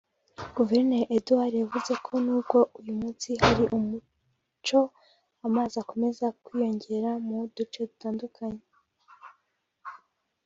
Guverineri Edwards yavuze ko n’ubwo uyu munsi hari umucyo amazi akomeza kwiyongera mu duce tunyuranye